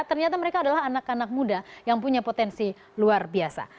ternyata mereka adalah anak anak muda yang punya potensi luar biasa